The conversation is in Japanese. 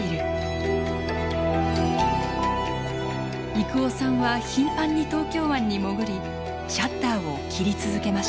征夫さんは頻繁に東京湾に潜りシャッターを切り続けました。